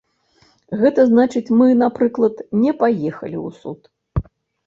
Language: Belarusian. Гэта значыць мы, напрыклад, не паехалі ў суд.